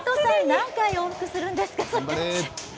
何回往復するんですか。